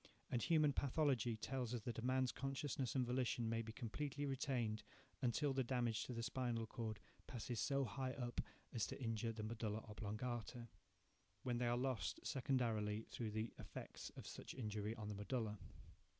And human pathology tells us that a man's consciousness and volition may be completely retained until the damage to the spinal cord passes so high up as to injure the medulla oblongata, when they are lost, secondarily, through the effects of such injury on the medulla.